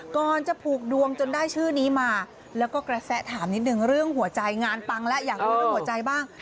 ก่อนจะผูกดวงจนได้ชื่อนี้มาแล้วก็กระแสถามนิดนึงเรื่องหัวใจงานปังแล้วอยากรู้เรื่องหัวใจบ้าง